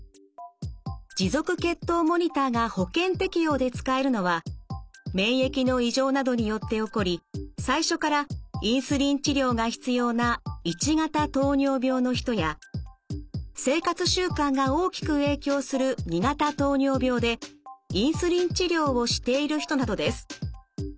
持続血糖モニターが保険適用で使えるのは免疫の異常などによって起こり最初からインスリン治療が必要な１型糖尿病の人や生活習慣が大きく影響する２型糖尿病でインスリン治療をしている人などです。